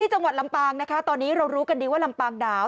จังหวัดลำปางนะคะตอนนี้เรารู้กันดีว่าลำปางหนาว